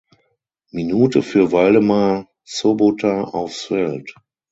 Minute für Waldemar Sobota aufs Feld.